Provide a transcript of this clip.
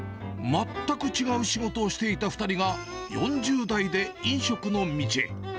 全く違う仕事をしていた２人が、４０代で飲食の道へ。